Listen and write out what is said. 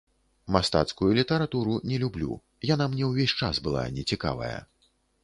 Мастацкую літаратуру не люблю, яна мне ўвесь час была нецікавая.